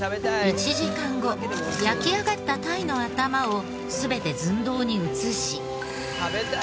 １時間後焼き上がった鯛の頭を全て寸胴に移し。